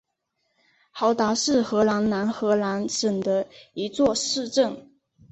豪达是荷兰南荷兰省的一座市镇。